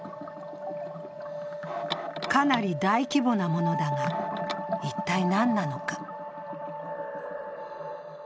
かなり大規模なものだが、一体何なのか。